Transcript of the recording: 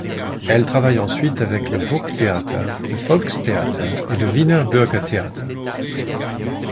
Elle travaille ensuite avec le Burgtheater, le Volkstheater et le Wiener Bürgertheater.